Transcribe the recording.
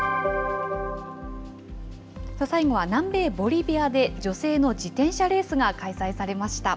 最後は南米ボリビアで、女性の自転車レースが開催されました。